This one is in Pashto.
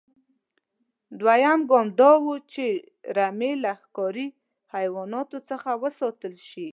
دویم ګام دا و چې رمې له ښکاري حیواناتو څخه وساتل شي.